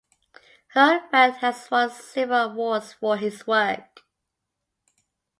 Huitfeldt has won several awards for his work.